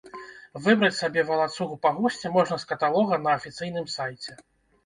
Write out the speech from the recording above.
Выбраць сабе валацугу па гусце можна з каталога на афіцыйным сайце.